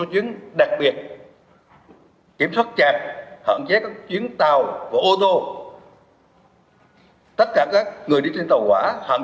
đến các sân bay việt nam